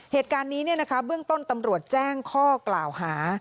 เหตุการณ์นี้เบื้องต้นตำรวจแจ้งข้อกล่าวหา